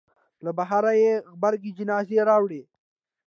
له بهره یې غبرګې جنازې راوړې.